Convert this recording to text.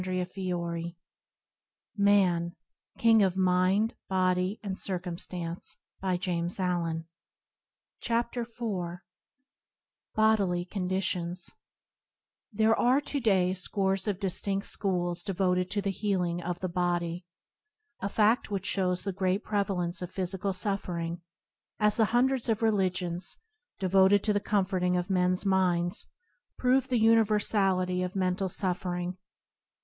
He who thirsts for freedom, let him come and be set free. [28 ] TBoDtlp Conditions THERE are to day scores of distind schools devoted to the healing of the body ; a fadt which shows the great preva lence of physical suffering, as the hundreds of religions, devoted to the comforting of men's minds, prove the universality of men tal suffering.